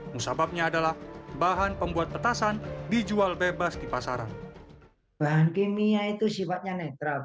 musababnya adalah bahan pembuat petasan dijual bebas di pasaran